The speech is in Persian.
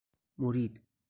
مرید